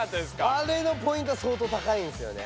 あれのポイントはそうとう高いんすよね。